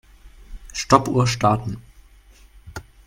Stoppuhr starten.